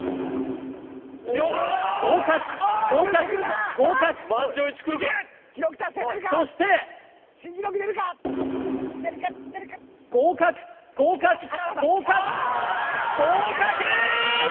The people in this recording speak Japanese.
合格合格合格そして合格合格合格合格！